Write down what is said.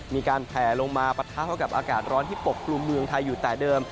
มีการแผลลงมาปะทะเข้ากับอากาศร้อนที่ปกกลุ่มเมืองไทยอยู่แต่เดิม